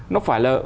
nó phải là